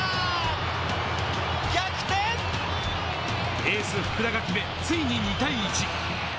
エース・福田が決め、ついに２対１。